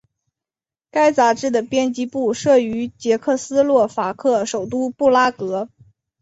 该杂志的编辑部设于捷克斯洛伐克首都布拉格。